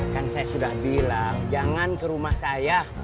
kan saya sudah bilang jangan ke rumah saya